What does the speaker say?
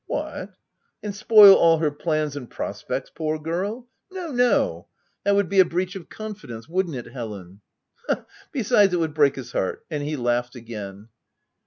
" What, and spoil all her plans and prospects, poor girl ? No, no : that would be a breach of confidence, wouldn't it Helen ? Ha, ha ! Be sides, it would break his heart.' 5 And he laughed again.